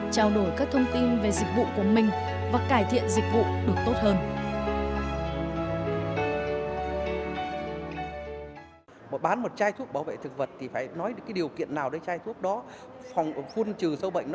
trao đổi các thông tin về dịch vụ của mình và cải thiện dịch vụ được tốt hơn